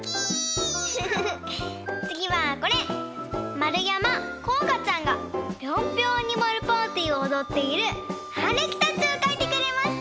まるやまこうがちゃんが「ピョンピョンアニマルパーティー」をおどっているはるきたちをかいてくれました！